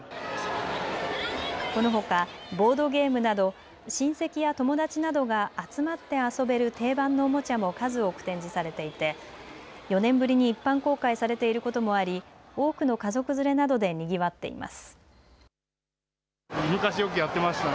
このほかボードゲームなど親戚や友達などが集まって遊べる定番のおもちゃも数多く展示されていて４年ぶりに一般公開されていることもあり多くの家族連れなどでにぎわっています。